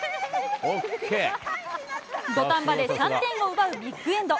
土壇場で３点を奪うビッグエンド。